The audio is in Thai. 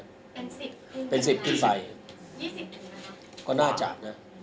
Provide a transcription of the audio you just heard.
เอาเป็นเพลงครอบคร้าว